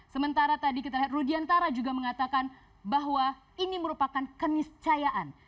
sementara tadi kita lihat rudiantara juga mengatakan bahwa ini merupakan keniscayaan